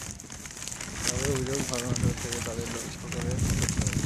তাঁদের অভিযোগ, মাদ্রাসার ভেতর থেকে তাঁদের গাড়ি লক্ষ্য করে পাথর ছোড়া হয়েছে।